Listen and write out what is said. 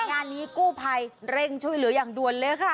งานนี้กู้ภัยเร่งช่วยเหลืออย่างด่วนเลยค่ะ